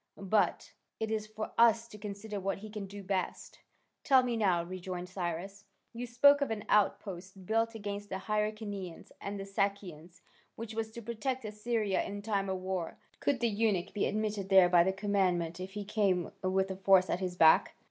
But it is for us to consider what he can best do." "Tell me now," rejoined Cyrus, "you spoke of an outpost, built against the Hyrcanians and the Sakians, which was to protect Assyria in time of war, could the eunuch be admitted there by the commandant if he came with a force at his back?"